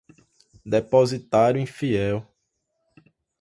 depositário infiel